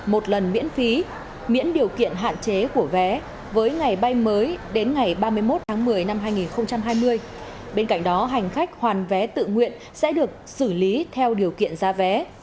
một lần miễn phí miễn điều kiện hạn chế của vé với ngày bay mới đến ngày ba mươi một tháng một mươi năm hai nghìn hai mươi bên cạnh đó hành khách hoàn vé tự nguyện sẽ được xử lý theo điều kiện ra vé